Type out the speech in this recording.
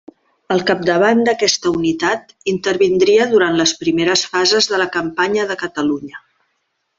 Al capdavant d'aquesta unitat intervindria durant les primeres fases de la campanya de Catalunya.